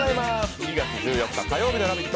２月１４日火曜日の「ラヴィット！」